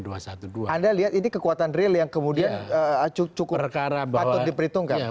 dan itu adalah kekuatan real yang kemudian cukup patut diperhitungkan